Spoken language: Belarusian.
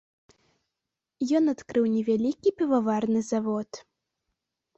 Ён адкрыў невялікі піваварны завод.